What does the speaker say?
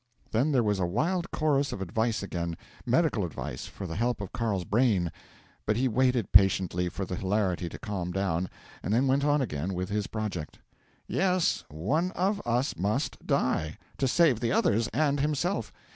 Then there was a wild chorus of advice again medical advice for the help of Carl's brain; but he waited patiently for the hilarity to calm down, and then went on again with his project: '"Yes, one of us must die, to save the others and himself.